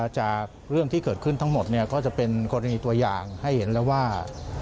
จากเรื่องที่เกิดขึ้นทั้งหมดก็จะเป็นกรณีตัวอย่างให้เห็นแล้วว่า